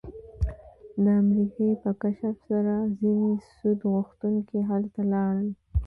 د امریکا په کشف سره ځینې سود غوښتونکي هلته لاړل